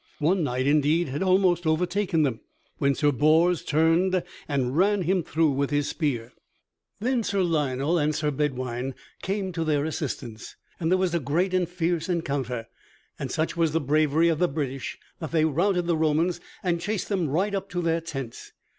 One knight, indeed, had almost overtaken them, when Sir Bors turned and ran him through with his spear. Then Sir Lionel and Sir Badouine came to their assistance, and there was a great and fierce encounter, and such was the bravery of the British that they routed the Romans and chased them right up to their tents.